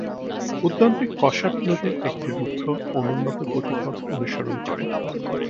উদ্যানটি কসাট নদীর একটি রুক্ষ, অনুন্নত গতিপথ অনুসরণ করে।